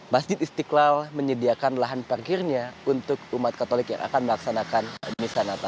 masjid istiqlal menyediakan lahan parkirnya untuk umat katolik yang akan melaksanakan misa natal